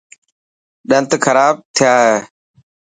ڏنت کراب ٿيا هي.